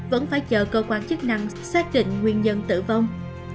vẫn phải chờ cơ quan chức năng xác định nguyên nhân tử vong